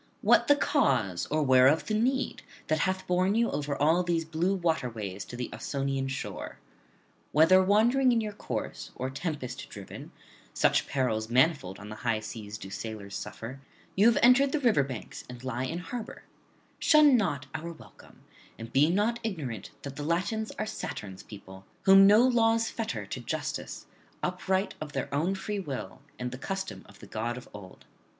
what the cause or whereof the need that hath borne you over all these blue waterways to the Ausonian shore? Whether wandering in your course, or tempest driven (such perils manifold on the high seas do sailors suffer), you have entered the river banks and lie in harbour; shun not our welcome, and be not ignorant that the Latins are Saturn's people, whom no laws fetter to justice, upright of their own free will and the custom of the god of old.